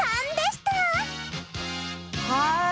はい！